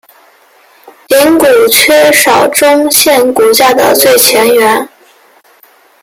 顶骨缺少中线骨架的最前缘。